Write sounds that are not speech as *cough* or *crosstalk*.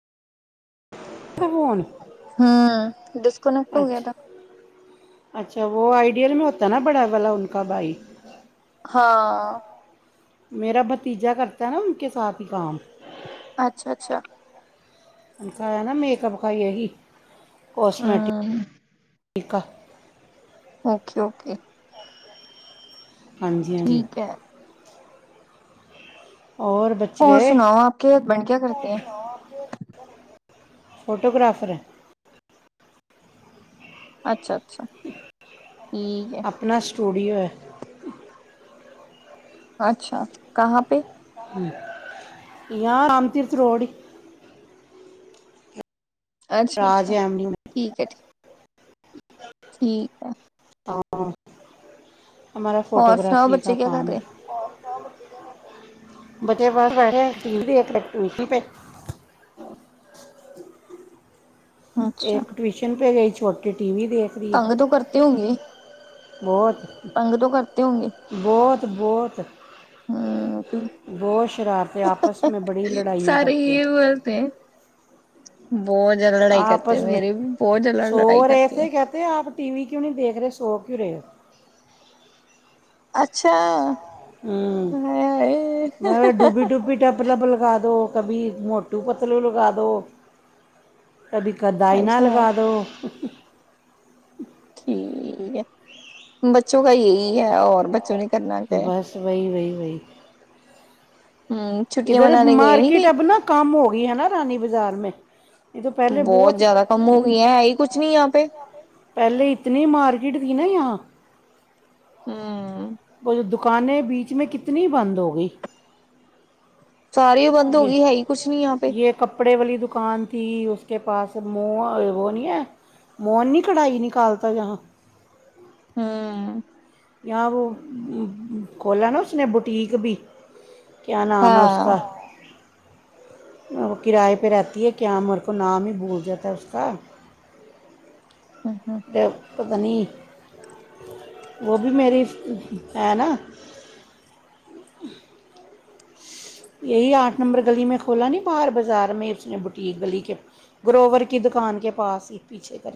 ਹਂ। Disconnect ਹੋ ਗਿਆ, ਤਾਂ ਅੱਛਾ, ਵੋ ਆਈਡੀਅਲ ਮੇਂ ਹੋਤਾ ਨਾਂ, ਬੜਾ ਵਾਲਾ ਉਨਕਾ ਭਾਈ। ਹਾਂ। ਮੇਰਾ ਭਤੀਜਾ ਕਰਤਾ ਐ ਨਾਂ, ਉਨਕੇ ਸਾਥ ਹੀ ਕਾਮ ਅੱਛਾ-ਅੱਛਾ। ਐ ਨਾਂ ਮੇਕਅਪ ਕਾ ਯਹੀ ਕਾੱਸਮੈਟਿ ਕ ਕਾ ਓਕੇ-ਓਕੇ। ਹਾਂਜੀ-ਹਾਂਜੀ। ਔਰ ਬੱਚੇ ਗਏ। *inaudible* ਫੋਟੋਗ੍ਰਾਫਰ ਐ। ਅੱਛਾ-ਅੱਛਾ, ਠੀ ਆਪਣਾ ਸਟੂਡੀਓ ਐ। ਅੱਛਾ, ਕਹਾ ਪੇ? ਯਾਂ ਰਾਮ ਤੀਰਥ ਰੋੜ ਈ ਅੱਛਾ-ਅੱਛਾ, ਠੀਕ ਐ ਠੀ ਠੀਕ ਆ। ਹਾਂ, ਹਮਾਰਾ ਫੋਟੋਗ੍ਰਾਫੀ ਕਾ ਕਾਮ ਐ। ਬੱਚੇ ਬਾਰ ਬੈਠੇ ਆ, ਇੱਕ ਟੀਵੀ ਤੇ ਇੱਕ ਟੂਸ਼ਨ ਪੇ। ਇੱਕ ਟਵੀਸ਼ਨ ਪੇ ਗਈ, ਛੋਟੀ ਟੀ ਵੀ ਦੇ ਤੰਗ ਤੋਂ ਕਰਤੀ ਹੋਗੀ? ਬੋਤ, ਬੋਤ, ਬੋਤ ਬੋਤ ਸ਼ਰਾਰਤੇ ਆਪਸ ਮੈਂ ਬੜੀ ਲੜਾਈਆਂ ਕਰਤੇ। ਬੋਤ ਜ਼ਿਆਦਾ ਲੜਾਈ ਕਰਤੇ, ਮੇਰੇ ਵੀ ਬੋਤ ਜ਼ਿਆਦਾ ਲੜ ਲੜਾਈ ਕਰਤੇ। ਕਹਤੇ ਆਪ ਟੀ ਵੀ ਕਿਉਂ ਨੀਂ ਦੇਖ ਰੇ, ਸੋ ਕਿਉਂ ਰਹੇ‌‌ ਓ? ਅੱਛਾ। ਹਂ। ਮੈਂ ਡੁਬੀ ਡੁਬੀ ਡਬ ਲਗਾ ਦੋ। ਕਭੀ ਮੋਟੂ ਪਤਲੂ ਲਗਾ ਦੋ। ਕਭੀ ਕਦਾਈ ਨਾ ਲਗਾ ਦੋ। ਠੀਕ ਐ। ਬੱਚੋਂ ਕਾ ਯਹੀ ਹੈ ਔਰ ਬ ਬੱਚੋਂ ਨੇ ਕਰਨਾ ਕਆ ਐ। ਹੂੰ। ਇਧਰ ਮਾਰਕੀਟ ਅਬ ਨਾ ਕਮ ਹੋ ਗਈ ਹੈ ਨਾ ਰਾਨੀ ਬਜਾਰ ਮੇਂ। ਬੋਤ ਜਾਦਾ ਕਮ ਹੋ ਗਈ। ਹੈ ਈ ਕੁੱਛ ਨੀ ਯਹਾਂ ਪੇ। ਪੈਲੇ ਇਤਨੀ ਮਾਰਕੀਟ ਥੀ ਨਾ ਯਹਾਂ ਹੂੰ। ਓ ਜੋ ਦੁਕਾਨੇ ਬੀਚ ਮੇਂ ਕਿਤਨੀ ਬੰਦ ਹੋ ਗਈ। ਸਾਰੀ ਬੰਦ ਹੋ ਗਈ। ਹੈ ਈ ਕੁਛ ਨੀ ਯਹਾਂ ਪੇ। ਕੱਪੜੇ ਵਾਲੀ ਦੁਕਾਨ ਥੀ। ਉਸ ਕੇ ਪਾਸ ਮੋ ਵੋ ਨੀ ਹੈ? ਮੋਹਨ ਨੀ ਕਢਾਈ ਨਿਕਾਲਤਾ ਜਹਾਂ। ਹੂੰ। ਯਾਹ ਵੋ ਖੋਲਾ ਨਾ ਉਸਨੇ ਬੁਟੀਕ ਭੀ ਕਆ ਨਾਮ ਹੈ ਉਸਕਾ? ਓ ਕਿਰਾਏ ਪੇ ਰਹਤੀ ਹੈ ਕੇਆ ਮੇਰੇ ਕੋ ਨਾਮ ਈ ਭੂਲ ਜਾਤਾ ਹੈ ਉਸ ਕਾ। ਹਂ ਹਂ। ਤੇ ਓ ਪਤਾ ਨੀ। ਵੋ ਭੀ ਮੇਰੀ ਫ ਹੈ ਨਾ। ਯਹੀ ਆੱਠ ਨੰਬਰ ਗਲੀ ਮੇਂ ਖੋਲਾ ਨੀ ਬਾਹਰ ਬਜਾ਼ਰ ਮੇਂ ਉਸ ਨੇ ਬੁਟੀਕ ਗਲੀ ਕੇ। ਗਰੋਵਰ ਕੀ ਦੁਕਾਨ ਕੇ ਪਾਸ ਈ ਪੀਛੇ ਕਰ